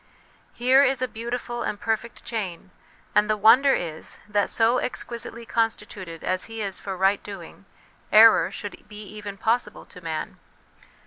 Here is a beautiful and perfect chain, and the wonder is that, so exquisitely con stituted as he is for right doing, error should be even possible to man.